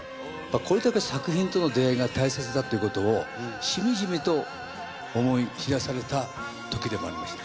これだけ作品との出会いが大切だっていうことをしみじみと思い知らされたときでもありました。